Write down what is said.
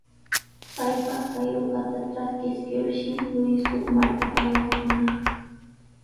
Paypaq kaq uqata traskiskirshi Luis huk markapa aywakunaq.